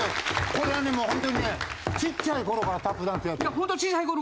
これはねもうホントにねちっちゃい頃からタップダンスやってたの。